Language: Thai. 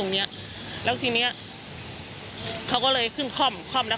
เสียงใบส่อนออกมา